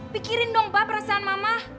pikirin dong pak perasaan mama